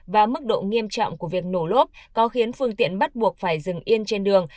và mức độ nghiêm trọng của việc nổ lốp có khiến phương tiện bắt buộc phải dừng yên trên đường